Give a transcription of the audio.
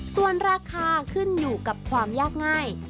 ส่วนราคาขึ้นอยู่กับความยากง่าย